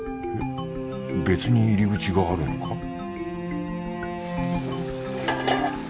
別に入り口があるのか